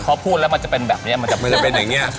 พอพูดแล้วมันจะเป็นแบบนี้มันจะเป็นอย่างนี้